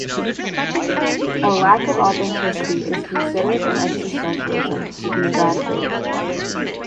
A lack of authenticity is considered in existentialism to be "bad faith".